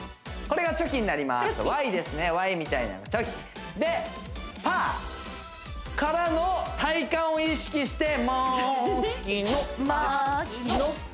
これがチョキになりますＹですねＹみたいなのチョキでパー！からの体幹を意識してまきの！ですまきの！